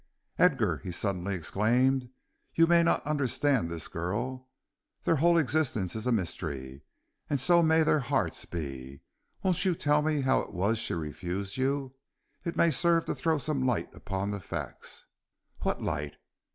"Edgar," he suddenly exclaimed, "you may not understand this girl. Their whole existence is a mystery, and so may their hearts be. Won't you tell me how it was she refused you? It may serve to throw some light upon the facts." "What light?